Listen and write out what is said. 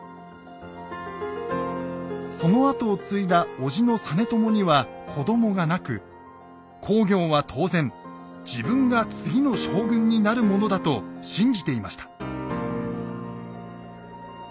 その跡を継いだ叔父の実朝には子どもがなく公暁は当然自分が次の将軍になるものだと信じていました。